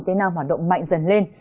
tây nam hoạt động mạnh dần lên